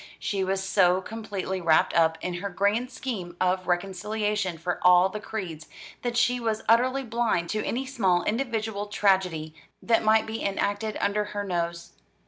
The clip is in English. She was so completely wrapped up in her grand scheme of reconciliation for all the creeds, that she was utterly blind to any small individual tragedy that might be enacted under her nose.